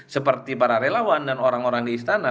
seperti para relawan dan orang orang di istana